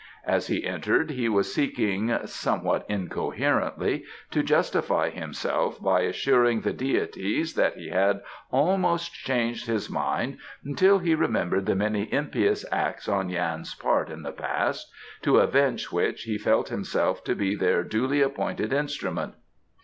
As he entered he was seeking, somewhat incoherently, to justify himself by assuring the deities that he had almost changed his mind until he remembered the many impious acts on Yan's part in the past, to avenge which he felt himself to be their duly appointed instrument.